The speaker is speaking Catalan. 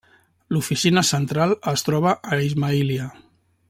L'oficina central es troba a Ismailia.